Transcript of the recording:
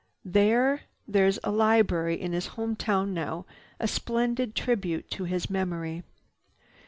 There—there's a library in his town now, a splendid tribute to his memory.